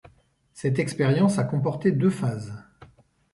Cette expérience a comporté deux phases.